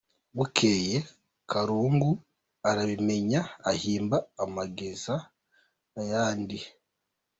Bukeye Karungu arabimenya; ahimba amageza yandi.